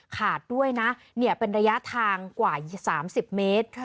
ขาดด้วยนะเป็นระยะทางกว่า๓๐เมตร